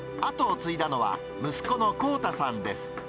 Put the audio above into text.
跡を継いだのは息子の幸太さんです。